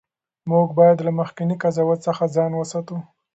موږ باید له مخکني قضاوت څخه ځان وساتو.